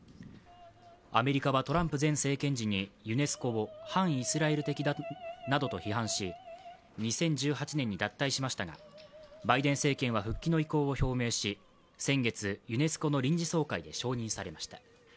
アメリカはトランプ前政権時にユネスコを反イスラエル的だなどと批判し２０１８年に脱退しましたが、バイデン政権は復帰の意向を表明し先月、ユネスコの臨時総会で承認されました。